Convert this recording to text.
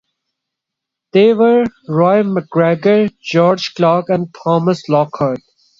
They were: Roy McGregor, George Clark and Thomas Lockhart.